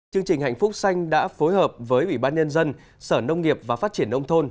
chương trình hạnh phúc xanh đã phối hợp với ủy ban nhân dân sở nông nghiệp và phát triển nông thôn